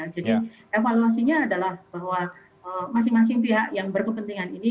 jadi evaluasinya adalah bahwa masing masing pihak yang berkepentingan ini